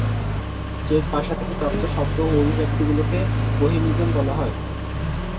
Check ভাষা থেকে প্রাপ্ত শব্দ ও অভিব্যক্তিগুলোকে বোহেমিজম বলা হয়।